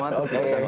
gak usah gak usah